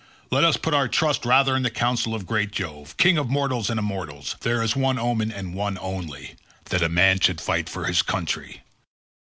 Let us put our trust rather in the counsel of great Jove, king of mortals and immortals. There is one omen, and one only—that a man should fight for his country.